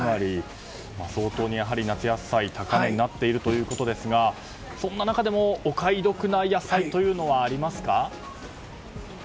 相当、夏野菜が高値になっているということですがそんな中でもお買い得な野菜はありますか？